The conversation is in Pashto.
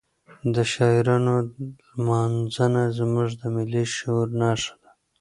د شاعرانو لمانځنه زموږ د ملي شعور نښه ده.